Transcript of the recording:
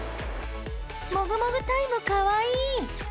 もぐもぐタイムかわいい。